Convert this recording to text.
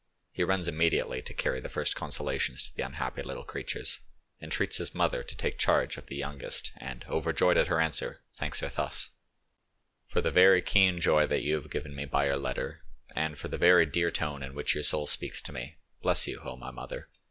He runs immediately to carry the first consolations to the unhappy little creatures, entreats his mother to take charge of the youngest, and overjoyed at her answer, thanks her thus:— "Far the very keen joy that you have given me by your letter, and for the very dear tone in which your soul speaks to me, bless you, O my mother!